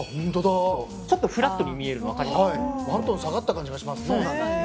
ちょっとフラットに見えるのワントーン下がった感じがしますね。